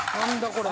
これ。